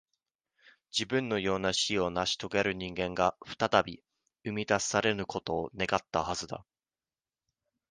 自分のような死をなし遂げる人間が、再び、生み出されぬことを願ったはずだ。